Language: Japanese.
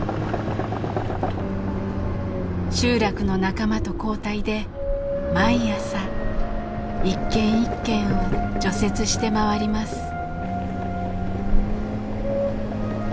集落の仲間と交代で毎朝一軒一軒を除雪して回ります。